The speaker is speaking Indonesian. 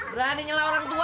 berani nyele orang tua